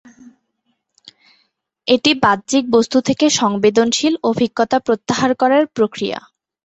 এটি বাহ্যিক বস্তু থেকে সংবেদনশীল অভিজ্ঞতা প্রত্যাহার করার প্রক্রিয়া।